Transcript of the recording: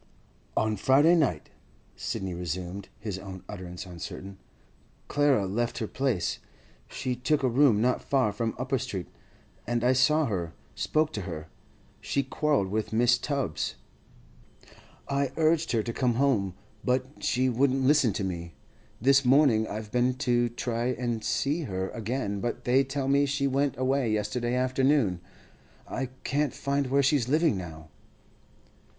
'On Friday night,' Sidney resumed, his own utterance uncertain, 'Clara left her place. She took a room not far from Upper Street, and I saw her, spoke to her. She'd quarrelled with Mrs. Tubbs. I urged her to come home, but she wouldn't listen to me. This morning I've been to try and see her again, but they tell me she went away yesterday afternoon. I can't find where she's living now.